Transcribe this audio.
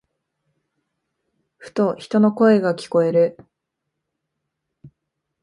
ふと、人の声が聞こえる。